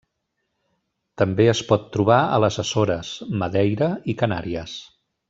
També es pot trobar a les Açores, Madeira i Canàries.